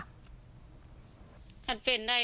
เป็นได้ก็เป็นได้